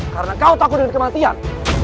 karena kau takut dengan kematian